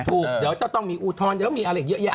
ถูกเดี๋ยวจะต้องมีอุทธรณ์เดี๋ยวจะต้องมีอะไรเยอะ